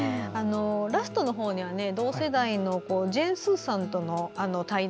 ラストのほうには同世代のジェーン・スーさんとの対談。